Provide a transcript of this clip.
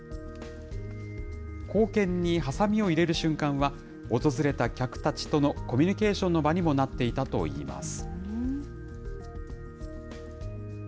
硬券にはさみを入れる瞬間は、訪れた客たちとのコミュニケーションの場にもなっていたといいます。